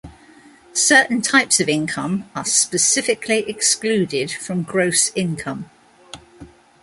Certain types of income are specifically excluded from gross income.